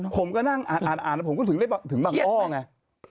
ผมก็นั่งอ่านผมก็ถึงบางอ้อไง